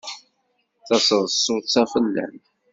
Taseḍsut-a fell-am.